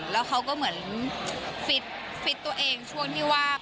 แล้วเขาก็เหมือนฟิตตัวเองช่วงที่ว่า